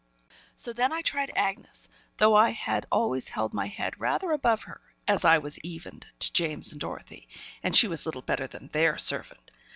So then I tried Bessy, though I had always held my head rather above her, as I was evened to James and Dorothy, and she was little better than their servant.